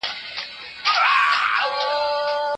که موږ په پښتو پوه شو، نو خبرې سمې او واضح کیږي.